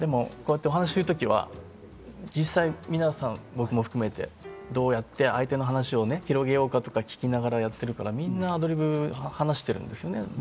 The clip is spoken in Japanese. こうやってお話しする時は僕も含めて皆さん、どうやって相手の話を広げようかとか、聴きながらやってるから、みんなアドリブ話してるんですね。